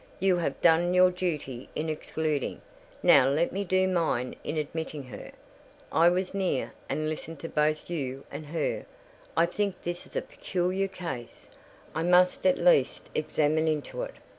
You have done your duty in excluding, now let me do mine in admitting her. I was near, and listened to both you and her. I think this is a peculiar case—I must at least examine into it.